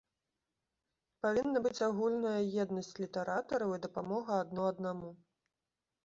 Павінна быць агульная еднасць літаратараў і дапамога адно аднаму.